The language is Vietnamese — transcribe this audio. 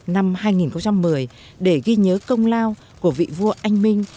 năm hai nghìn một mươi để ghi nhớ công lao của vị vua anh minh